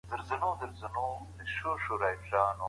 د ارواپوهني علم باید په څېړنه کي وکارول سي.